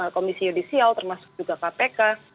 komisi yudisial termasuk juga kpk